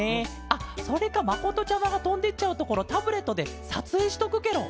あそれかまことちゃまがとんでいっちゃうところをタブレットでさつえいしとくケロ！